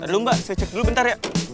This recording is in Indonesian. dulu mbak saya cek dulu bentar ya